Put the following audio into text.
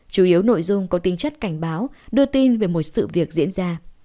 chủ yếu nội dung có tính chất cảnh báo đưa tin về một sự việc diễn ra